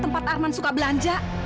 tempat arman suka belanja